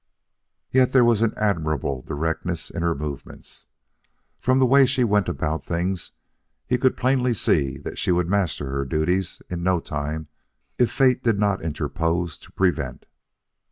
Yet there was an admirable directness in her movements. From the way she went about things, he could plainly see that she would master her duties in no time if Fate did not interpose to prevent.